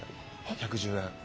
１１０円。